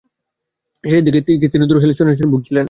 শেষের দিকে তিনি কোনো ধরনের হেলুসিনেশনে ভুগছিলেন কি?